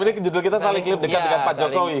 ini judul kita saling dekat dengan pak jokowi